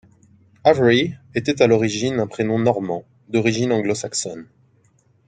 Avery était à l'origine un prénom normand, d'origine anglo-saxonne.